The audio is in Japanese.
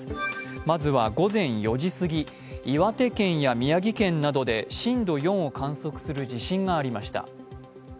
まずは午前４時すぎ、岩手県や宮城県などで震度４を観測する地震がありました。